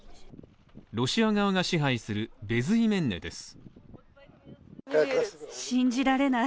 ロシア側が支配する、ベズイメンネです。